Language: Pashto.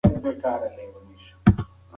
دموضوعاتو ليــک